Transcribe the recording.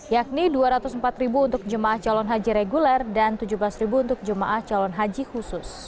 yakni rp dua ratus empat untuk jemaah calon haji reguler dan rp tujuh belas untuk jemaah calon haji khusus